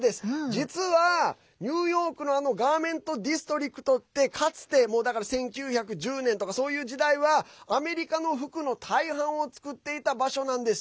実は、ニューヨークのガーメントディストリクトってかつて、１９１０年とかそういう時代はアメリカの服の大半を作っていた場所なんです。